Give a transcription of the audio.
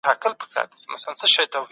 د عمر مانا په توکل او صبر کي ده.